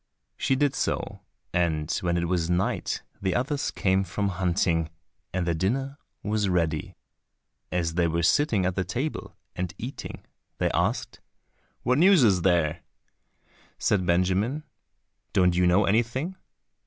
She did so, and when it was night the others came from hunting, and their dinner was ready. And as they were sitting at table, and eating, they asked, "What news is there?" Said Benjamin, "Don't you know anything?"